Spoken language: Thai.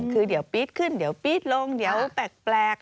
คือเดี๋ยวปี๊ดขึ้นเดี๋ยวปี๊ดลงเดี๋ยวแปลก